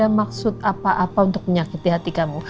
maksud apa apa untuk menyakiti hati kamu